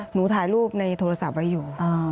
หนูถ่ายรูปในโทรศัพท์ไว้อยู่